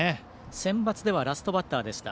センバツではラストバッターでした。